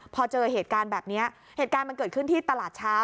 พอเจอเหตุการณ์แบบนี้เหตุการณ์มันเกิดขึ้นที่ตลาดเช้า